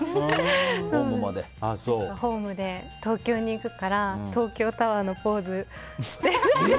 ホームで、東京に行くから東京タワーのポーズをして。